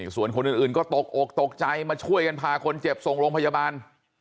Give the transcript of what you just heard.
ส่วนคนอื่นก็ตกอกตกใจมาช่วยกันพาคนเจ็บส่งโรงพยาบาล